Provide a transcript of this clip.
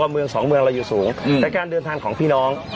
๒เมืองเราอยู่สูงแต่การเดินทางของพี่น้อง